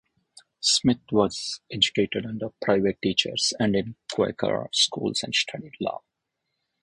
Smith was educated under private teachers and in Quaker schools, and studied law.